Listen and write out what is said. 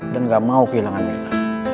dan ga mau kehilangan mila